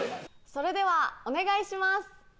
それではお願いします。